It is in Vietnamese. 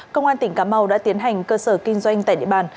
công an tỉnh cà mau đã tiến hành cơ sở kinh doanh tại địa bàn